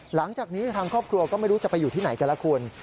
หลังจากนี้ทางครอบครัวก็ไม่รู้จะไปอยู่ที่ไหนกันละคุณ